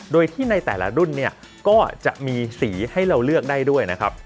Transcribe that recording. โดยที่ในแต่ละรุ่นเนี่ยก็จะมีสีให้เราเลือกได้ด้วยนะครับ